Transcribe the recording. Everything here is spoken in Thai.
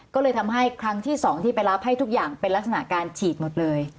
ก็เลยทำให้ครั้งที่๒ที่ไปรับให้ทุกอย่างเป็นลักษณะการฉีดหมดเลย